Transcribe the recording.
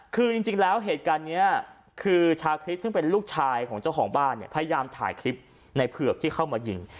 คือจริงแล้วเหตุการณ์นี้คือชาคริสซึ่งเป็นลูกชายของเจ้าของบ้านเนี่ยพยายามถ่ายคลิปในเผือกที่เข้ามายิง